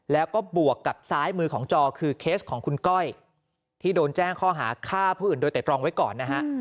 แล้วก็บวกกับซ้ายมือของจอคือเคสของคุณก้อยที่โดนแจ้งข้อหาฆ่าผู้อื่นโดยแต่ตรองไว้ก่อนนะฮะ